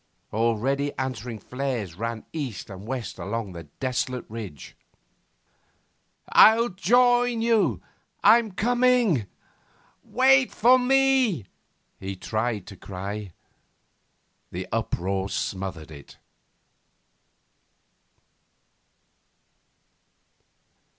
Already answering flares ran east and west along the desolate ridge. 'I'll join you! I'm coming! Wait for me!' he tried to cry. The uproar smothered it.